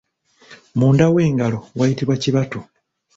Munda w'engalo wayitibwa kibatu.